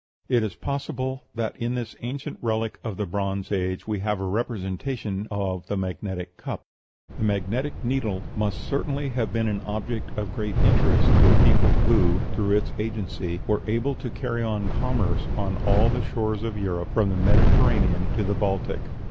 It is possible that in this ancient relic of the Bronze Age we have a representation of the magnetic cup. The magnetic needle must certainly have been an object of great interest to a people who, through its agency, were able to carry on commerce on all the shores of Europe, from the Mediterranean to the Baltic.